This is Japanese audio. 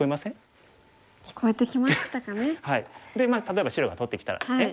例えば白が取ってきたらですね